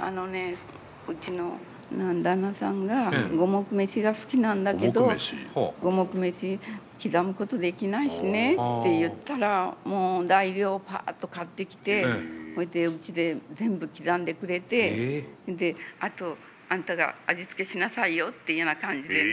あのねうちの旦那さんが五目飯が好きなんだけど五目飯「刻むことできないしね」って言ったらもう材料をぱっと買ってきてそれでうちで全部刻んでくれてであとあんたが味付けしなさいよっていうような感じでね。